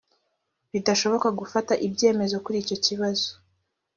bidashoboka gufata ibyemezo kuri icyo kibazo